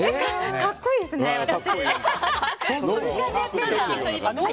格好いいですね、私！